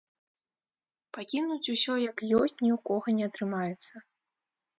Пакінуць усё як ёсць ні ў кога не атрымаецца.